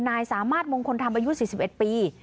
นายสามารถมงคลธรรมอายุ๔๑ปี